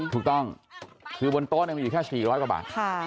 ถูกต้องคือบนโต๊ะมีอยู่แค่๔๐๐กว่าบาท